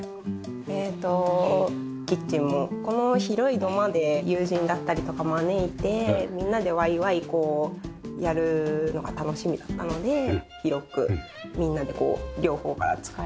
えーとキッチンもこの広い土間で友人だったりとか招いてみんなでワイワイやるのが楽しみだったので広くみんなでこう両方から使えてはい。